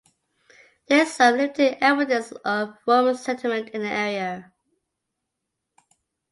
There is some limited evidence of Roman settlement in the area.